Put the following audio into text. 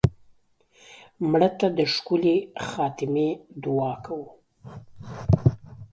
مړه ته د ښکلې خاتمې دعا کوو